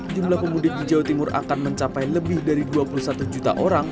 jumlah pemudik di jawa timur akan mencapai lebih dari dua puluh satu juta orang